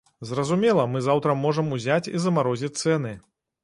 Зразумела, мы заўтра можам узяць і замарозіць цэны.